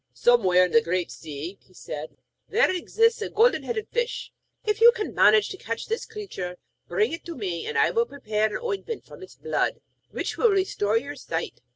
'Somewhere in the Great Sea,' he said, 'there exists a Golden headed Fish. If you can manage to catch this creature, bring it to me, and I will prepare an ointment from its blood which will restore your sight.